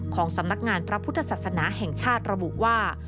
ของสำนักงานพระพุทธศาสนาแห่งชาติระบุว่า